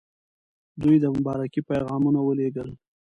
دوی د مبارکۍ پیغامونه ولېږل.